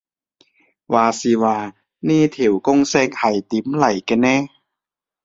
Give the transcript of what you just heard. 話時話呢條公式係點嚟嘅呢